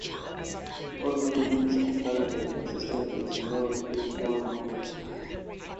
All measurements are currently consistent with no dipole moment.